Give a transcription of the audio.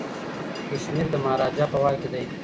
کشمیر د مهاراجا په واک کي دی.